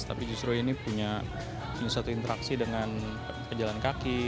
tapi justru ini punya satu interaksi dengan pejalan kaki